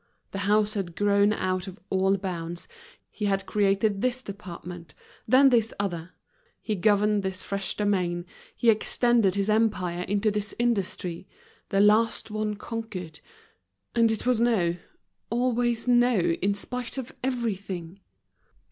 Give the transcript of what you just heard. The house had grown out of all bounds, he had created this department, then this other; he governed this fresh domain, he extended his empire into this industry, the last one conquered; and it was no, always no, in spite of everything.